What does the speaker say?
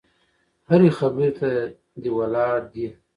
هرې خبرې ته دې ولاړ دي.